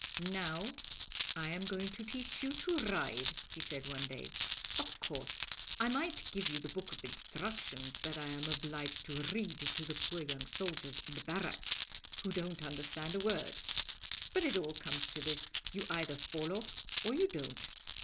'Now I am going to teach you to ride,' he said one day. 'Of course, I might give you the book of instructions that I am obliged to read to the poor young soldiers in the barracks, who don't understand a word; but it all comes to this you either fall off or you don't.